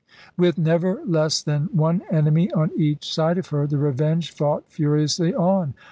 With never less than one enemy on each side of her, the Revenge fought furiously on.